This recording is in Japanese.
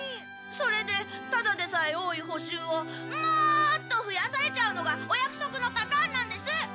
それでただでさえ多いほ習をもっとふやされちゃうのがおやくそくのパターンなんです！